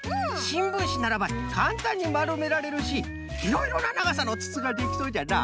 しんぶんしならばかんたんにまるめられるしいろいろなながさのつつができそうじゃな。